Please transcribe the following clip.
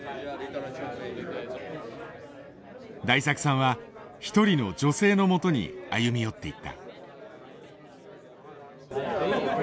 大作さんは一人の女性のもとに歩み寄っていった。